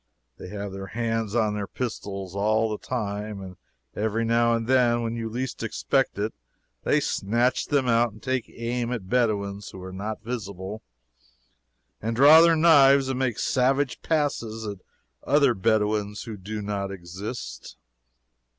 They have their hands on their pistols all the time, and every now and then, when you least expect it, they snatch them out and take aim at Bedouins who are not visible, and draw their knives and make savage passes at other Bedouins who do not exist.